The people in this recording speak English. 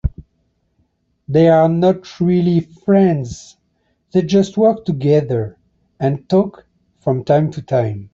They are not really friends, they just work together and talk from time to time.